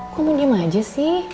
kamu diam aja sih